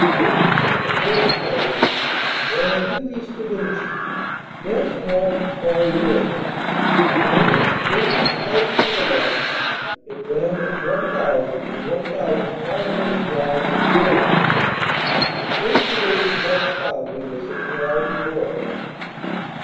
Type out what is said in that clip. Divisions for the First Phase ran due east of Inchy, just north of Quarry Wood, then, swinging slightly to the left, it ran from 1,000 to 1,500 yards of Bourlon. The 1st. Division left boundary was the Canal du Nord.